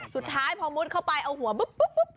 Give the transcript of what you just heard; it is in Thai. สุดท้ายพอมดเข้าไปเอาหัวปุ๊บปุ๊บปุ๊บ